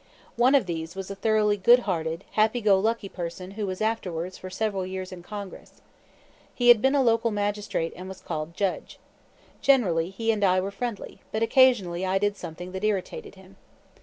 One of these was a thoroughly good hearted, happy go lucky person who was afterwards for several years in Congress. He had been a local magistrate and was called Judge. Generally he and I were friendly, but occasionally I did something that irritated him.